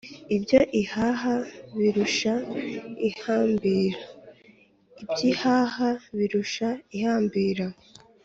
Ibyo ihaha birushya ihambira. [Iby’ihaha birushya ihambira.]